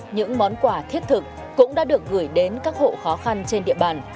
những món quà thiết thực cũng đã được gửi đến các hộ khó khăn trên địa bàn